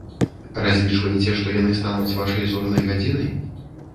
Разлічваеце, што яны стануць вашай зорнай гадзінай?